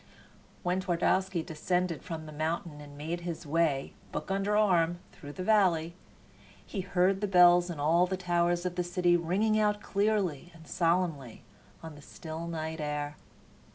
When Twardowski descended from the mountain and made his way, book under arm, through the valley, he heard the bells in all the towers of the city ringing out clearly and solemnly on the still night air.